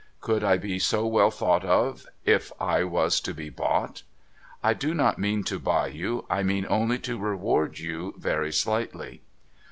Could I be so well thought of, if I was to be bought ?'' I do not mean to buy you : I mean only to reward you very slightly.'